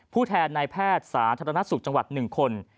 ผู้แทนนายแพทย์สาธารณสุขจังหวัด๑คน